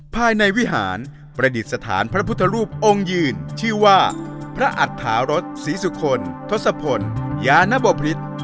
ภายในวิหารประดิษฐานพระพุทธรูปองค์ยืนชื่อว่าพระอัตถารสศรีสุคลทศพลยานบพฤษ